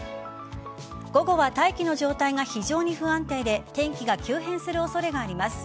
午後は大気の状態が非常に不安定で天気が急変する恐れがあります。